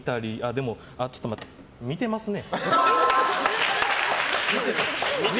でもちょっと待って、見てますね。